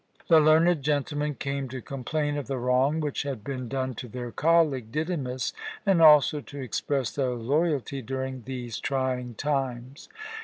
The learned gentlemen came to complain of the wrong which had been done to their colleague, Didymus, and also to express their loyalty during these trying times.